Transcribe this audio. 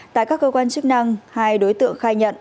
tại các cơ quan chức năng hai đối tượng khai nhận